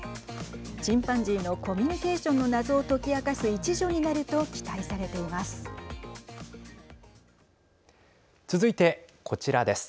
チンパンジーのコミュニケーションの謎を解き明かす一助になると期待されています。